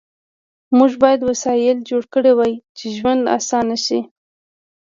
موږ باید وسایل جوړ کړي وای چې ژوند آسانه شي